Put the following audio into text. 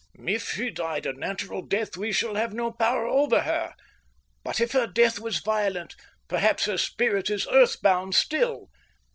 "If she died a natural death we shall have no power over her, but if her death was violent perhaps her spirit is earthbound still.